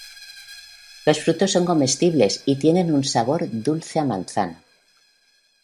Los frutos son comestibles y tienen un sabor dulce a manzana.